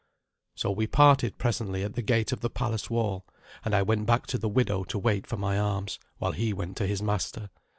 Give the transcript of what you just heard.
So we parted presently at the gate of the palace wall, and I went back to the widow to wait for my arms, while he went to his master.